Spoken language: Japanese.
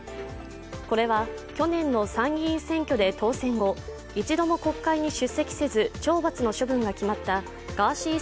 これは去年の参議院選挙で当選後、一度も国会に出席せず懲罰の処分が決まったガーシー